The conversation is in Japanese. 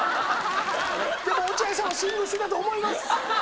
でも落合さんは素振りしてたと思います！